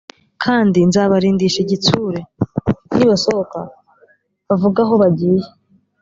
kandi nzabarindisha igitsure nibasohoka bavugeaho bagiye